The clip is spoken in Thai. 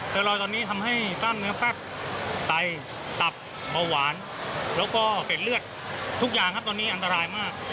แต่รอยตอนนี้ทำให้กล้ามเนื้อฟักไตตับเบาหวานแล้วก็เกร็ดเลือดทุกอย่างครับตอนนี้อันตรายมาก